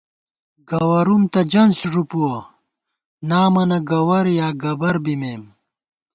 گوَرُوم تہ جنݪ ݫُوپُوَہ، نامَنہ گوَر یا گبَر بِمېم